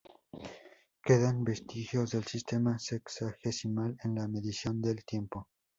Quedan vestigios del sistema sexagesimal en la medición del tiempo.